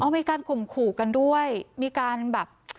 มีการข่มขู่กันด้วยมีการแบบ